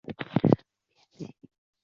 扁基荸荠为莎草科荸荠属的植物。